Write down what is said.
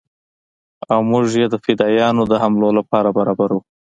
او موږ يې د فدايانو د حملو لپاره برابرو.